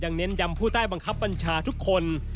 เน้นยำผู้ใต้บังคับบัญชาทุกคน